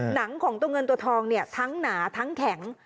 หนังของตัวเงินตัวทองเนี่ยทั้งหนาทั้งแข็ง